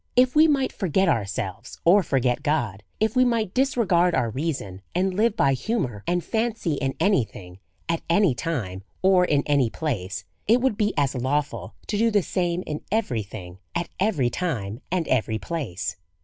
If we might forget ourselves, or forget God, if we might disregard our reason, and live by humour and fancy in any thing, at any time, or in any place, it would be as lawful to do the same in every thing, at every time, and every place.